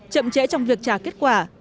chậm trễ trong việc trả kết quả